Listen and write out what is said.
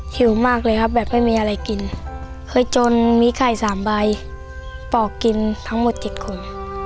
หิวมากเลยครับแบบไม่มีอะไรกินเคยจนมีไข่๓ใบปอกกินทั้งหมด๗คน